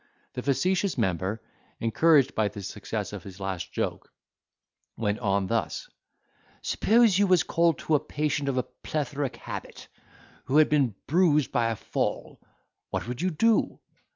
The facetious member, encouraged by the success of his last joke, went on thus: "Suppose you was called to a patient of a plethoric habit, who has been bruised by a fall, what would you do?"